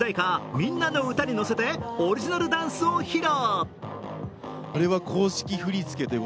「ミンナノウタ」に乗せてオリジナルダンスを披露。